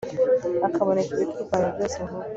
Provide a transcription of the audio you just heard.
hakaboneka ibiturwanya byose vuba